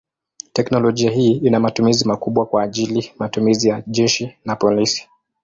Teknolojia hii ina matumizi makubwa kwa ajili matumizi ya jeshi na polisi.